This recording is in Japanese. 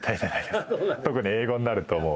特に英語になるともう。